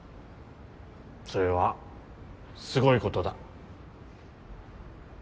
それはすごいことだ。